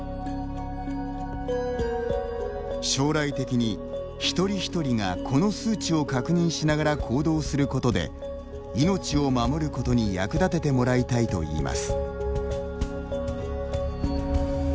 将来的に、一人一人がこの数値を確認しながら行動することで命を守ることに役立ててもらいたいといいます。